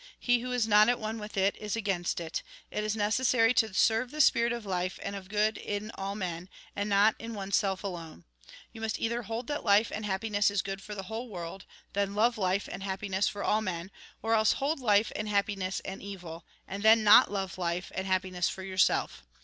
He who is not at one with it, is against it. It is necessary to serve the spirit of life and of good in all men, and not in oneself alone. You must either hold that life and happiness is good for the whole world, then love life and happiness for all men, or else hold life and happiness an evil, and then not love life and happiness for yourself.